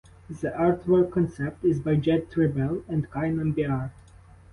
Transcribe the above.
The artwork concept is by Jett Rebel and Kay Nambiar.